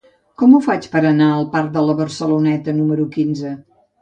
Com ho faig per anar al parc de la Barceloneta número quinze?